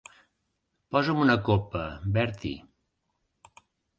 Posa'm una copa, Bertie.